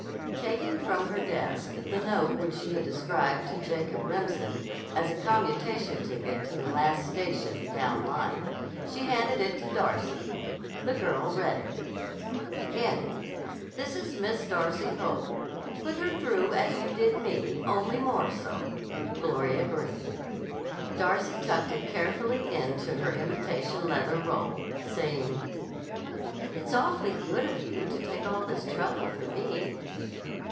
Taking from her desk the note which she had described to Jacob Remsen as a commutation ticket to the last station, down line, she handed it to Darcy. The girl read it. Andy: This is Miss Darcy Cole. Put her through as you did me, only more so. Gloria Greene Darcy tucked it carefully into her imitation leather roll, saying: "It's awfully good of you to take all this trouble for me."